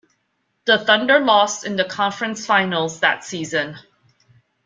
The Thunder lost in the conference finals that season.